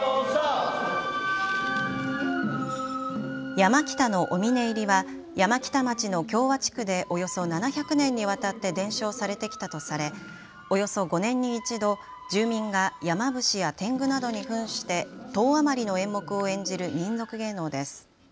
山北のお峰入りは山北町の共和地区でおよそ７００年にわたって伝承されてきたとされおよそ５年に１度、住民が山伏やてんぐなどにふんして１０余りの演目を演じる民俗芸能です。